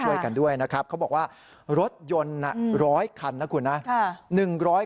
ช่วยกันด้วยนะครับเขาบอกว่ารถยนต์๑๐๐คันนะคุณนะ